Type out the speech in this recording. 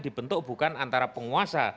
dibentuk bukan antara penguasa